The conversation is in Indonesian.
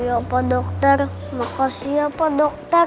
iya pak dokter makasih ya pak dokter